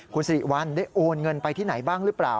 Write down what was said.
คุณสิริวัลได้โอนเงินไปที่ไหนบ้างหรือเปล่า